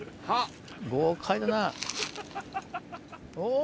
あっ！